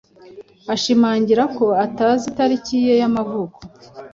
ashimangira ko atazi itariki ye y’amavuko.